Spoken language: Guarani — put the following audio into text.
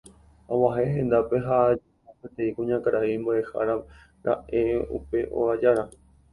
Ag̃uahẽ hendápe ha ajuhu peteĩ kuñakarai mbo'ehára ra'e upe óga jára.